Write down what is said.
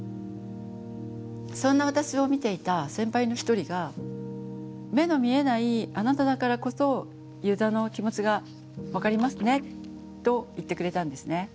そんな私を見ていた先輩の一人が「目の見えないあなただからこそユーザーの気持ちが分かりますね」と言ってくれたんですね。